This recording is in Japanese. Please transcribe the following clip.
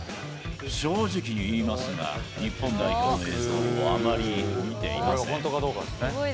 正直に言いますが、日本代表の映像をあまり見ていません。